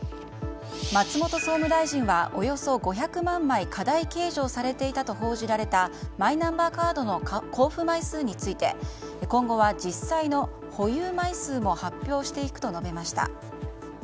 松本総務大臣はおよそ５００万枚過大計上されていたと報じられたマイナンバーカードの交付枚数について今後は、実際の保有枚数も発表していくと述べました。